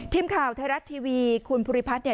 ทีมข่าวไทยรัฐทีวีคุณภูริพัฒน์เนี่ย